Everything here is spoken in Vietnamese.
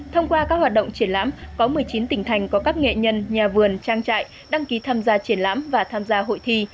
thông qua các hoạt động triển lãm có một mươi chín tỉnh thành có các nghệ nhân nhà vườn trang trại đăng ký tham gia triển lãm và tham gia hội thi